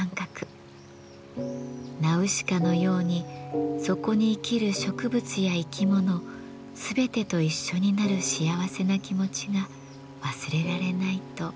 「ナウシカのようにそこに生きる植物や生き物全てと一緒になる幸せな気持ちが忘れられない」とマレスさんは言います。